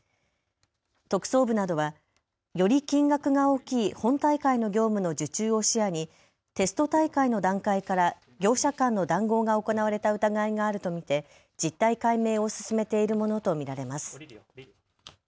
特捜部などは、より金額が大きい本大会の業務の受注を視野にテスト大会の段階から業者間の談合が行われた疑いがあると見て実態解明を進めているものと見られます。